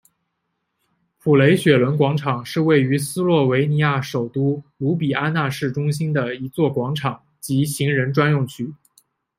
普雷雪伦广场是位于斯洛维尼亚首都卢比安纳市中心的一座广场及行人专用区。